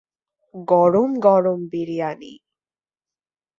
গরম গরম বিরিয়ানি।